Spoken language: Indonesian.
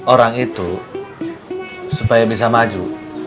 orang itu supaya bisa maju